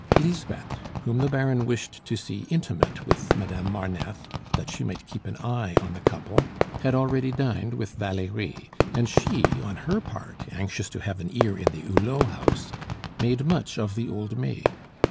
Lisbeth, whom the Baron wished to see intimate with Madame Marneffe, that she might keep an eye on the couple, had already dined with Valerie; and she, on her part, anxious to have an ear in the Hulot house, made much of the old maid.